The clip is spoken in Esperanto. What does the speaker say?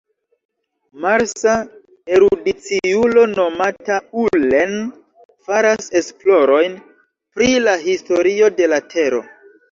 Marsa erudiciulo nomata Ullen faras esplorojn pri la historio de la Tero.